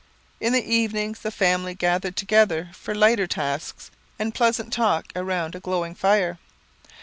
In the evenings, the family gathered together for lighter tasks and pleasant talk around a glowing fire.